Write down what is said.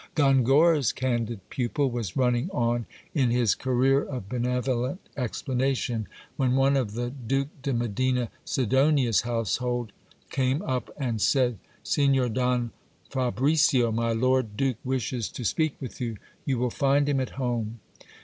Gongora's candid pupil was running on in his career of benevolent explan ation, when one of the Duke de Medina Sidonia's household came up and said : Signor Don Fabricio, my lord duke wishes to speak with you. You will find him at home.